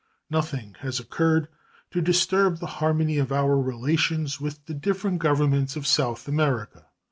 Nothing has occurred to disturb the harmony of our relations with the different Governments of South America.